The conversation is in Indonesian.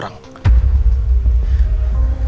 dia sudah berjaya mencari elsa